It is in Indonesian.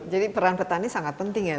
jadi peran petani sangat penting ya